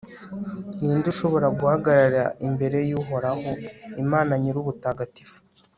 ni nde ushobora guhagarara imbere y'uhoraho, imana nyir'ubutagatifu